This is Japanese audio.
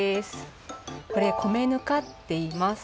これ米ぬかっていいます。